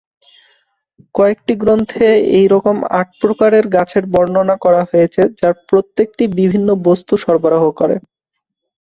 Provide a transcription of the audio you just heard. কয়েকটি গ্রন্থে এই রকম আট প্রকারের গাছের বর্ণনা করা হয়েছে, যার প্রত্যেকটি বিভিন্ন বস্তু সরবরাহ করে।